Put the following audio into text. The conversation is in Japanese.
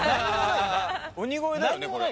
鬼越だよねこれ。